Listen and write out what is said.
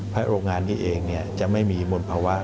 เพราะโรงงานนี้เองจะไม่มีมลภาวะ